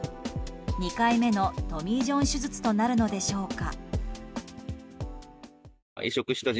２回目のトミー・ジョン手術となるのでしょうか。